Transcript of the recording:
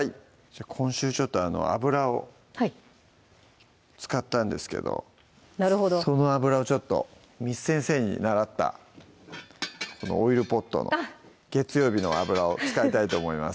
今週ちょっと油を使ったんですけどその油をちょっと簾先生に習ったこのオイルポットの月曜日の油を使いたいと思います